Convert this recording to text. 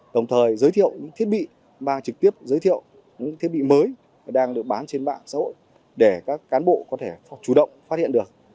đồng thời giới thiệu những thiết bị mang trực tiếp giới thiệu những thiết bị mới đang được bán trên mạng xã hội để các cán bộ có thể chủ động phát hiện được